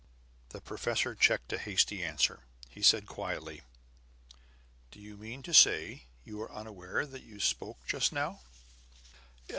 The professor checked a hasty answer. He said quietly: "Do you mean to say you are unaware that you spoke just now?"